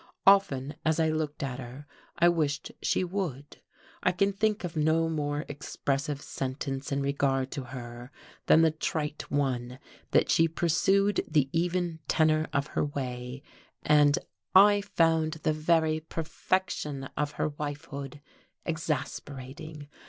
Often, as I looked at her, I wished she would. I can think of no more expressive sentence in regard to her than the trite one that she pursued the even tenor of her way; and I found the very perfection of her wifehood exasperating.